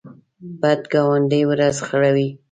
بد ګاونډی ورځ خړوي